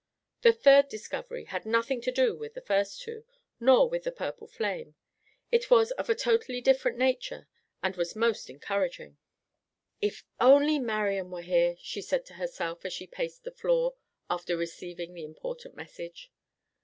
The third discovery had nothing to do with the first two, nor with the purple flame. It was of a totally different nature, and was most encouraging. "If only Marian were here!" she said to herself as she paced the floor after receiving the important message.